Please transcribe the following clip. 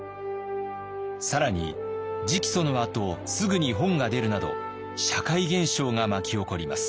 更に直訴のあとすぐに本が出るなど社会現象が巻き起こります。